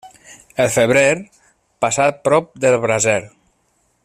El febrer, passat prop del braser.